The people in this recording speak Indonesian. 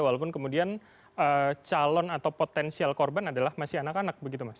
walaupun kemudian calon atau potensial korban adalah masih anak anak begitu mas